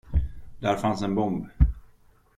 Där fanns en bomb.